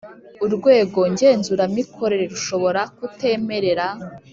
Urwego ngenzuramikorere rushobora kutemerera